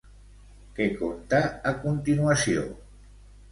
Què conta a continuació?